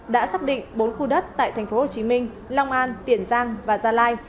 đã xác định bốn khu đất tại tp hcm long an tiền giang và gia lai